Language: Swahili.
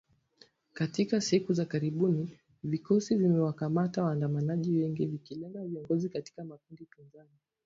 Katika siku za karibuni vikosi vimewakamata waandamanaji wengi , vikilenga viongozi katika makundi pinzani